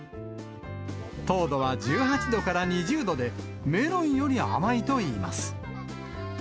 糖度は１８度から２０度で、メロンより甘いといいます。